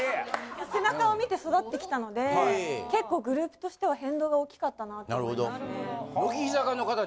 背中をみて育ってきたので結構グループとしては変動が大きかったなと思いますね。